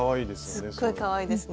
すっごいかわいいですね。